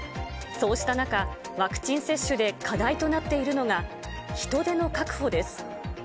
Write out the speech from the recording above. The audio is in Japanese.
そうした中、ワクチン接種で課題となっているのが人手の確保です。